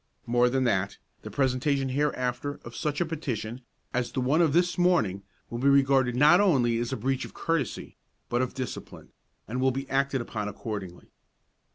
More than that, the presentation hereafter of such a petition as the one of this morning will be regarded not only as a breach of courtesy, but of discipline, and will be acted upon accordingly.